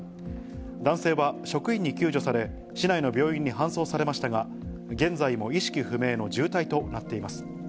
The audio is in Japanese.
男性は職員に救助され、市内の病院に搬送されましたが、現在も意識不明の重体となっています。